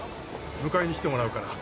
迎えに来てもらうから。